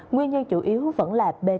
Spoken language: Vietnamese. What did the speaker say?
nguyên nhân chủ yếu vẫn là bệnh